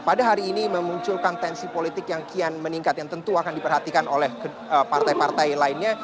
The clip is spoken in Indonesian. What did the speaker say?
pada hari ini memunculkan tensi politik yang kian meningkat yang tentu akan diperhatikan oleh partai partai lainnya